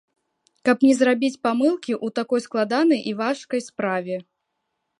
Каб не зрабіць памылкі ў такой складанай і важкай справе.